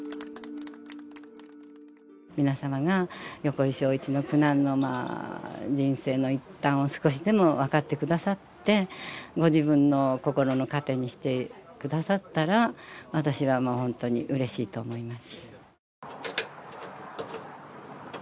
皆様が横井庄一の苦難の人生の一端を少しでも分かってくださってご自分の心の糧にしてくださったら私はもう本当にうれしいと思います